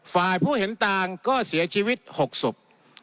ฝ่ายผู้เห็นต่างก็เสียชีวิต๖ศพ